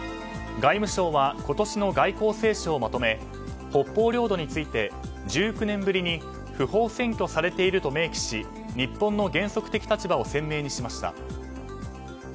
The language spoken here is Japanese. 外務省は今年の外交青書をまとめ北方領土について、１９年ぶりに不法占拠されていると明記し日本の原則的立場を鮮明にしました。